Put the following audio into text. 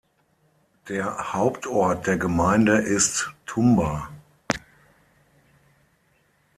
Der Hauptort der Gemeinde ist Tumba.